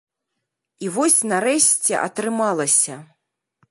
І вось, нарэшце, атрымалася.